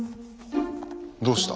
どうした。